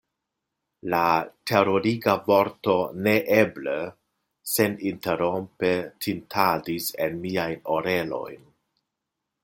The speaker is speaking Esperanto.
La teruriga vorto "neeble!" seninterrompe tintadis en miajn orelojn.